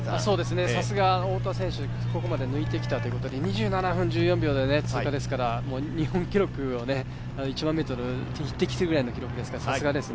さすが太田選手、ここまで抜いてきたということで２７分１４秒で通過ですから、日本記録１００００ｍに匹敵するくらいの記録ですから、さすがですね。